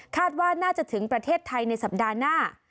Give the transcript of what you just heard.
ว่าน่าจะถึงประเทศไทยในสัปดาห์หน้า